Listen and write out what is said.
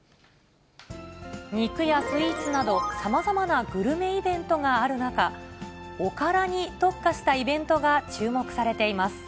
肉やスイーツなど、さまざまなグルメイベントがある中、おからに特化したイベントが注目されています。